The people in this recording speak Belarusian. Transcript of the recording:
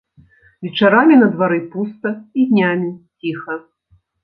Вечарамі на двары пуста і днямі ціха.